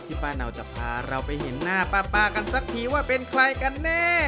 ป้าเนาจะพาเราไปเห็นหน้าป้ากันสักทีว่าเป็นใครกันแน่